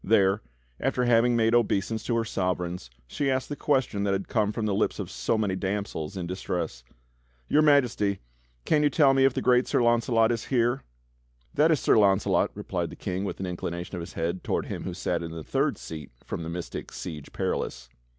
There, after having made obeisance to her Sovereigns, she asked the question that had come from the lips of so many damsels in distress; "Your Majesty, can you tell me if the great Sir Launcelot is here.?" "That is Sir Launcelot," replied the King with an inclination of his head toward him who sat in the third seat from the mystic Siege Perilous.